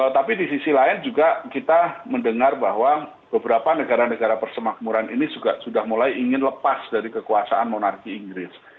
tapi di sisi lain juga kita mendengar bahwa beberapa negara negara persemakmuran ini juga sudah mulai ingin lepas dari kekuasaan monarki inggris